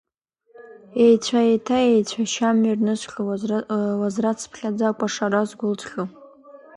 Еицәа, еиҭа еицәа шьамҩа ирнысхьоу, уазрацыԥхьаӡа кәашара згәылҵхьоу.